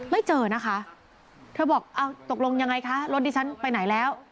ไม่เจอนะคะเธอบอกอ้าวตกลงยังไงคะรถดิฉันไปไหนแล้ว